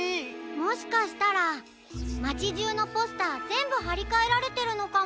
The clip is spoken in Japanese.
もしかしたらまちじゅうのポスターぜんぶはりかえられてるのかも。